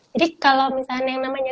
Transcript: jadi kalau misalnya yang namanya